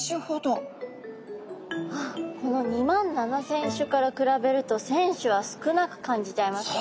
あっこの２万７，０００種から比べると１，０００種は少なく感じちゃいますね。